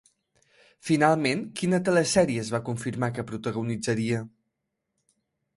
Finalment, quina telesèrie es va confirmar que protagonitzaria?